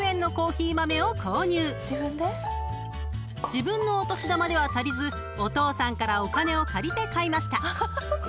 ［自分のお年玉では足りずお父さんからお金を借りて買いました］